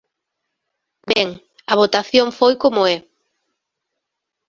Ben, a votación foi como é.